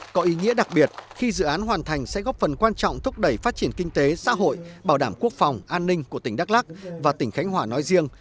có ý nghĩa đặc biệt khi dự án hoàn thành sẽ góp phần quan trọng thúc đẩy phát triển kinh tế xã hội bảo đảm quốc phòng an ninh của tỉnh đắk lắc và tỉnh khánh hòa nói riêng